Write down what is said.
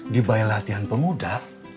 di bayi latihan pemuda